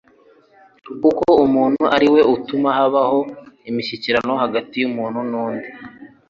kuko umuntu ari we utuma habaho imishyikirano hagati y'umuntu n'undi.